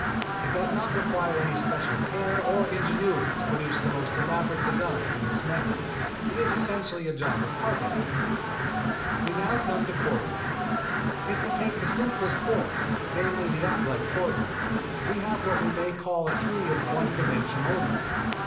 It does not require any special care or ingenuity to produce the most elaborate designs in this method. It is essentially a job of carpentry. [Illustration: FIG. 17 APRICOTS IN U FORM] We come now to the cordons. If we take the simplest form, namely the upright cordon, we have what we may call a tree of one dimension only.